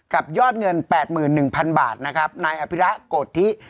กับยอดเงินแปดหมื่นหนึ่งพันบาทนะครับนายอภิรักษ์กดที่